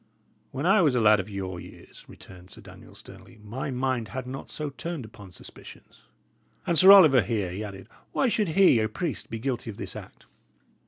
"When I was lad of your years," returned Sir Daniel, sternly, "my mind had not so turned upon suspicions. And Sir Oliver here," he added, "why should he, a priest, be guilty of this act?"